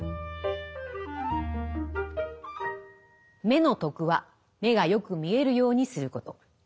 目の徳は目がよく見えるようにすること。